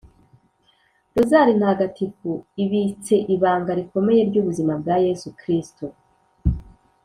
rozari ntagatifu ibitse ibanga rikomeye ry’ubuzima bwa yezu kristu